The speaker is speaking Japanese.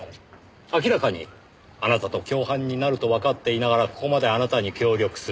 明らかにあなたと共犯になるとわかっていながらここまであなたに協力する。